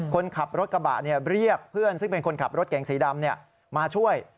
คนขับรถกระบะเรียกเพื่อนซึ่งเป็นคนขับรถเก่งสีดำมาช่วย